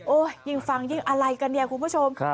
ยิ่งฟังยิ่งอะไรกันเนี่ยคุณผู้ชม